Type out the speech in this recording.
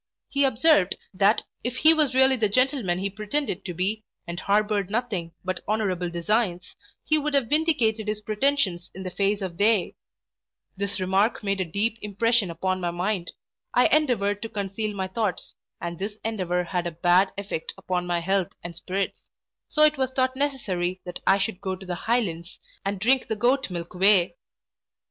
He observed, that if he was really the gentleman he pretended to be, and harboured nothing but honourable designs, he would have vindicated his pretensions in the face of day This remark made a deep impression upon my mind I endeavoured to conceal my thoughts; and this endeavour had a bad effect upon my health and spirits; so it was thought necessary that I should go to the Highlands, and drink the goat milk whey.